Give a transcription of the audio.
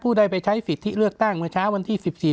ผู้ได้ไปใช้สิทธิ์เลือกตั้งมาเช้าวันที่สิบสี่